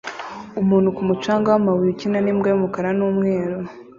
Umuntu ku mucanga wamabuye ukina nimbwa yumukara numweru